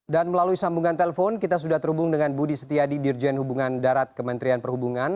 dan melalui sambungan telepon kita sudah terhubung dengan budi setiadi dirjen hubungan darat kementerian perhubungan